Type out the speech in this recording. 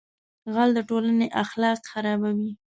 غل د ټولنې اخلاق خرابوي